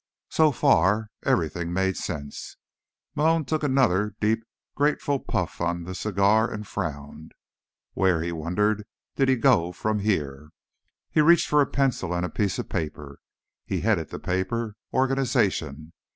So far, everything made sense. Malone took another deep, grateful puff on the cigar, and frowned. Where, he wondered, did he go from here? He reached for a pencil and a piece of paper. He headed the paper: _Organization.